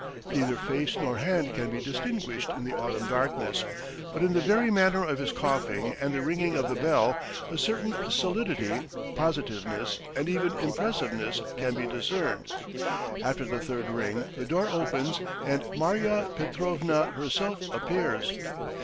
Neither face nor hand can be distinguished in the autumn darkness, but in the very manner of his coughing and the ringing of the bell a certain solidity, positiveness, and even impressiveness can be discerned. After the third ring the door opens and Marya Petrovna herself appears.